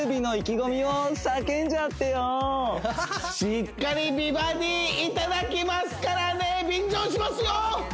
しっかり美バディいただきますからね便乗しますよ！